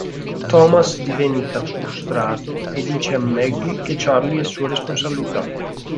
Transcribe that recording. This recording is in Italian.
Thomas diventa frustrato e dice a Maggie che Charlie è sua responsabilità.